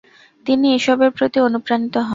তিনি এসবের প্রতি অনুপ্রাণিত হন।